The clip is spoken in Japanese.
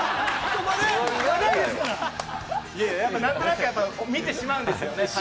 いや何となく見てしまうんですよ。